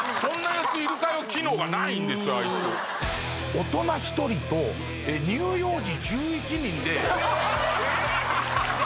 大人１人と乳幼児１１人で。